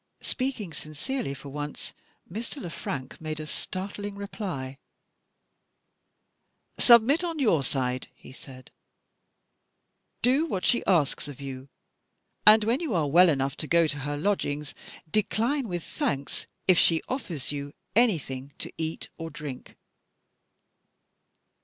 Speaking sincerely for once, Mr. Le Frank made a startling reply. "Submit on your side," he said. "Do what she asks of you. And when you are well enough to go to her lodgings, decline with thanks if she offers you anything to eat or drink."